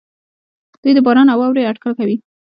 دوی د باران او واورې اټکل کوي.